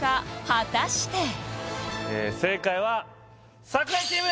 果たして？え正解は櫻井チーム！